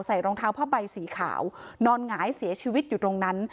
รองเท้าผ้าใบสีขาวนอนหงายเสียชีวิตอยู่ตรงนั้น